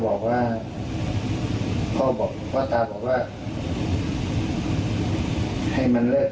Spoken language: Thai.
สำหรับนี้ผมก็บอกว่าผมไม่เลิกหรอก